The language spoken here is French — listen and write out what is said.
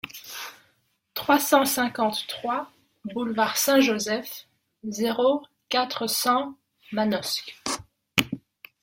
trois cent cinquante-trois boulevard Saint-Joseph, zéro quatre, cent, Manosque